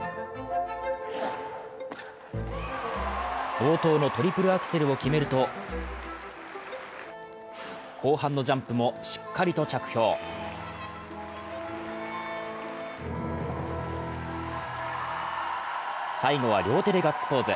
冒頭のトリプルアクセルを決めると、後半のジャンプも、しっかりと着氷最後は両手でガッツポーズ。